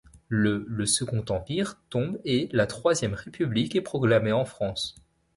Le le Second Empire tombe et la Troisième République est proclamée en France.